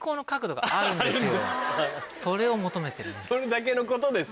それを求めてるんです。